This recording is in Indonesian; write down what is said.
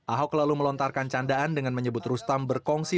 ahok lalu melontarkan candaan dengan menyebut rustam berkongsi